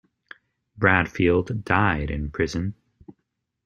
Bradfield died in prison.